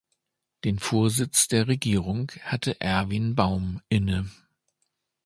Den Vorsitz der Regierung hatte Erwin Baum inne.